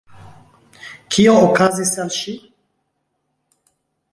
Kio okazis al ŝi?